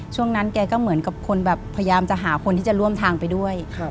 ช่วงนั้นแกก็เหมือนกับคนแบบพยายามจะหาคนที่จะร่วมทางไปด้วย